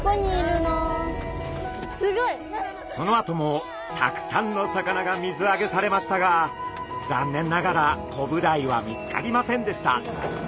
そのあともたくさんの魚が水あげされましたが残念ながらコブダイは見つかりませんでした。